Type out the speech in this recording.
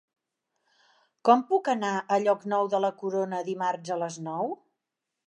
Com puc anar a Llocnou de la Corona dimarts a les nou?